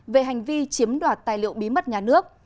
về hành vi chiếm đoạt tài liệu bí mật nhà nước